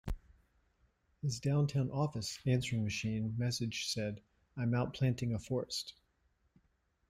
His downtown office answering machine message said, I'm out planting a forest.